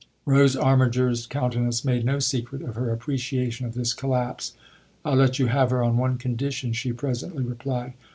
Rose Armiger's countenance made no secret of her appreciation of this collapse. " I'll let you have her on one condition," she presently replied.